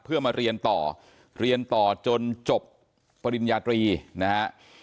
เพื่อมาเรียนต่อเรียนต่อจนจบปริญญาตรีนะฮะ